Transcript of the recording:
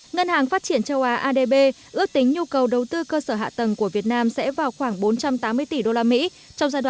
ngân hàng phát triển châu á adb ước tính nhu cầu đầu tư cơ sở hạ tầng của việt nam sẽ vào khoảng bốn trăm tám mươi tỷ usd